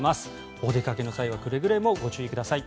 お出かけの際はくれぐれもご注意ください。